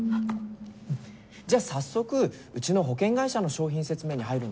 じゃ早速うちの保険会社の商品説明に入るんだけど。